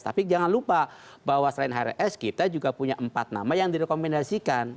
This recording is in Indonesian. tapi jangan lupa bahwa selain hrs kita juga punya empat nama yang direkomendasikan